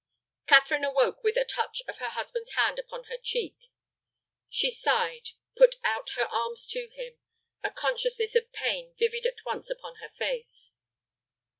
Catherine awoke with a touch of her husband's hand upon her cheek. She sighed, put out her arms to him, a consciousness of pain vivid at once upon her face.